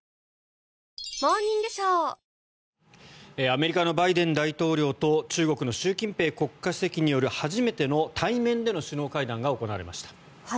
アメリカのバイデン大統領と中国の習近平国家主席による初めての対面での首脳会談が行われました。